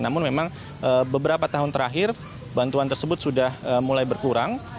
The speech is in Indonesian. namun memang beberapa tahun terakhir bantuan tersebut sudah mulai berkurang